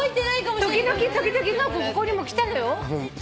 時々直君ここにも来たのよ。